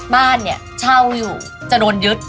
บ้านเช่าอยู่จะโดนยึด